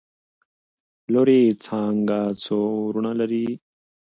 لورې څانګه څو وروڼه لري؟؟